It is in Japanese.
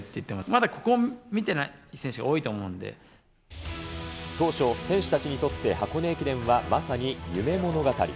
まだここを見てない当初、選手たちにとって箱根駅伝はまさに夢物語。